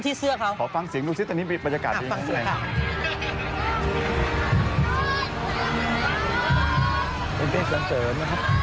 นี่คือบิงกายคุณพี่หนวดหนวดพี่คุณคนใหญ่เป็นหมอคนใหญ่